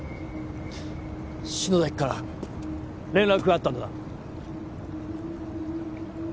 篠崎から連絡があったんだな？